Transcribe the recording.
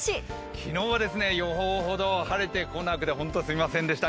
昨日は予報ほど晴れてこなくて本当すみませんでした。